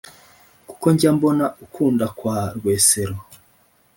kuko njya mbona ukunda kwa rwesero